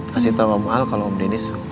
kasih tau om al kalau om denis